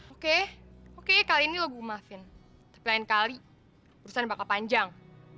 oke oke kali ini logo maafin tapi lain kali urusan bakal panjang